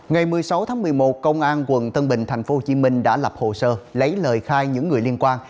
ngày một mươi sáu tháng một mươi một công an quận tân bình tp hcm đã lập hồ sơ lấy lời khai những người liên quan